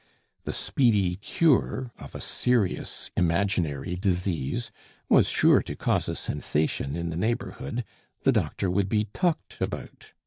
The speedy cure of a serious imaginary disease was sure to cause a sensation in the neighborhood; the doctor would be talked about.